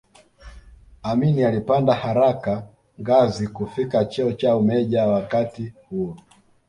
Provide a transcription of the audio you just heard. Amin alipanda haraka ngazi kufikia cheo cha umeja wakati huo